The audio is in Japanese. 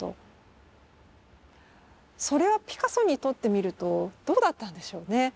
それはピカソにとってみるとどうだったんでしょうね。